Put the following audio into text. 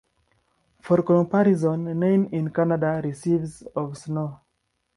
For comparison, Nain in Canada receives of snow.